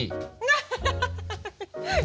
アハハハハ！